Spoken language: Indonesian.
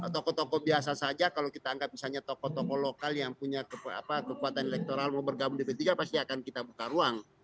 tokoh tokoh biasa saja kalau kita anggap misalnya tokoh tokoh lokal yang punya kekuatan elektoral mau bergabung di p tiga pasti akan kita buka ruang